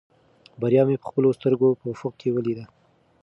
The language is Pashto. بریا مې په خپلو سترګو په افق کې ولیده.